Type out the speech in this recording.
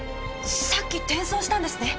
さっき転送したんですね？